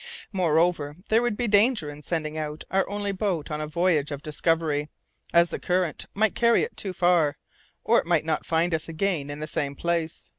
Moreover there would be danger in sending out our only boat on a voyage of discovery, as the current might carry it too far, or it might not find us again in the same place.